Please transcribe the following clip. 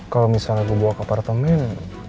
kalau misalnya gue bawa ke apartemen